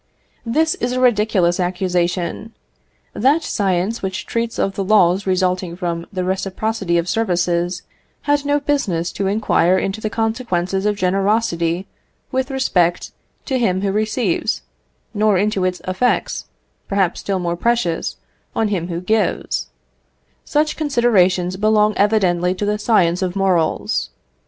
This is a ridiculous accusation. That science which treats of the laws resulting from the reciprocity of services, had no business to inquire into the consequences of generosity with respect to him who receives, nor into its effects, perhaps still more precious, on him who gives: such considerations belong evidently to the science of morals.